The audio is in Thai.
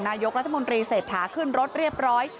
นายกรัฐมนตรีเศรษฐาขึ้นรถเรียบร้อย